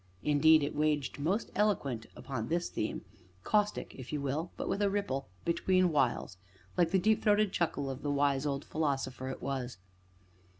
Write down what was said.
Indeed it waxed most eloquent upon this theme, caustic, if you will, but with a ripple, between whiles, like the deep throated chuckle of the wise old philosopher it was.